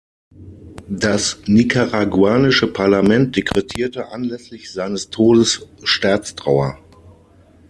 Das nicaraguanische Parlament dekretierte anlässlich seines Todes Staatstrauer.